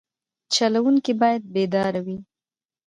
چلوونکی باید بیدار وي.